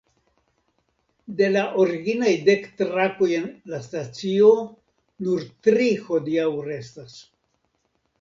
De la originaj dek trakoj en la stacio nur tri hodiaŭ restas.